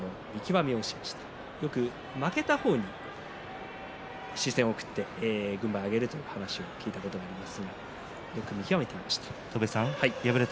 よく負けた方に視線を送って軍配を上げるという話を聞いたことがありますがよく見極めていました。